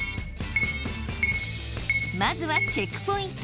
まずはチェックポイント